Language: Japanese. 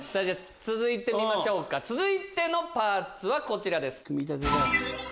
続いて見ましょうか続いてのパーツはこちらです。